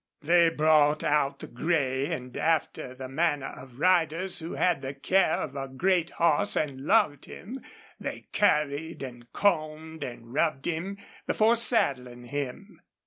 They brought out the gray, and after the manner of riders who had the care of a great horse and loved him, they curried and combed and rubbed him before saddling him.